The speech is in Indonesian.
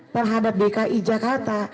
terhadap dki jakarta